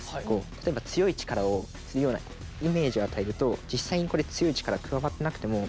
例えば強い力をするようなイメージを与えると実際にこれ強い力加わってなくても。